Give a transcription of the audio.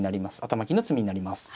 頭金の詰みになります。